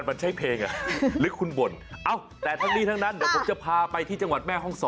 มันใช่เพลงลึกคุณบ่นแต่ทั้งนี้ทั้งนั้นเดี๋ยวผมจะพาไปที่จังหวัดแม่ห้องสอน